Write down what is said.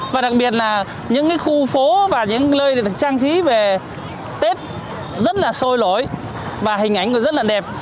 và đặc biệt là những khu phố và những lơi trang trí về tết rất là sôi lối và hình ảnh cũng rất là đẹp